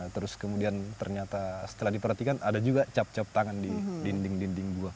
terus kemudian ternyata setelah diperhatikan ada juga cap cap tangan di dinding dinding gua